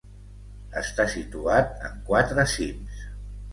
Està situat en quatre cims.